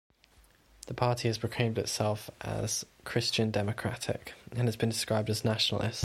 The party has proclaimed itself as Christian democratic, but has been described as nationalist.